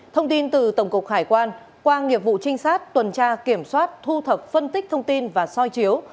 thông tin từ tổng cục hải quan qua nghiệp vụ trinh sát tuần tra kiểm soát thu thập phân tích thông tin và soi chiếu